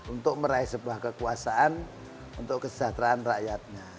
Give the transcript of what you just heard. untuk meraih sebuah kekuasaan untuk kesejahteraan rakyatnya